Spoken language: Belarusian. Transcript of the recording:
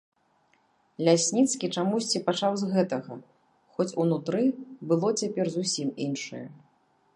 Лясніцкі чамусьці пачаў з гэтага, хоць унутры было цяпер зусім іншае.